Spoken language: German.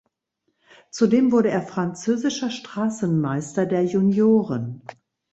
Zudem wurde er französischer Straßenmeister der Junioren.